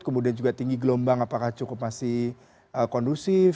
kemudian juga tinggi gelombang apakah cukup masih kondusif